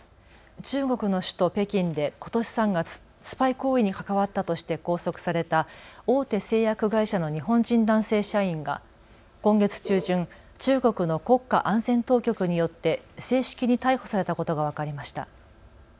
中国の首都・北京でことし３月、スパイ行為に関わったとして拘束された大手製薬会社の日本人男性社員が今月中旬、中国の国家安全当局によって正式に逮捕されたことが分かりました。